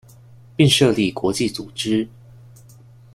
並設立國際組織